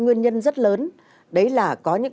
nguyên nhân rất lớn đấy là có những